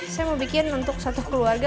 saya mau bikin untuk satu keluarga